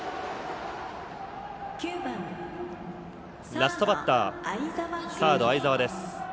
ラストバッター、サード、相澤。